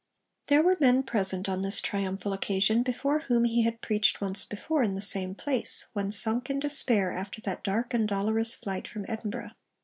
(There were men present on this triumphal occasion before whom he had preached once before in the same place, when sunk in despair after that 'dark and dolorous' flight from Edinburgh.)